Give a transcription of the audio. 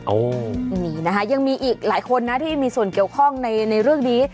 นะคะยังมีอีกหลายคนนะที่มีส่วนเกี่ยวข้องในเรื่องนี้